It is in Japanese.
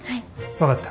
分かった。